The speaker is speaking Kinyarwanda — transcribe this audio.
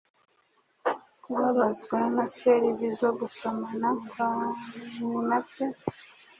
Kubabazwa na sallies zo gusomana kwa nyina pe